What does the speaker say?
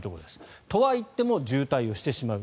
とはいっても渋滞をしてしまう。